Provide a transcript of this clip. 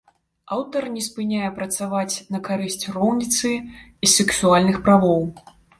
Аўтар не спыняе працаваць на карысць роўніцы і сексуальных правоў.